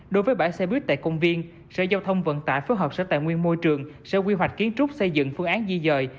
đối với bãi xe buýt tại công viên sở giao thông vận tải phối hợp sở tài nguyên môi trường sở quy hoạch kiến trúc xây dựng phương án di dời